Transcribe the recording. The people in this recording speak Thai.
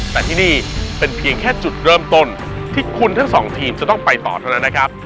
แต่ที่นี่เป็นเพียงแค่จุดเริ่มต้นที่คุณทั้งสองทีมจะต้องไปต่อเท่านั้นนะครับ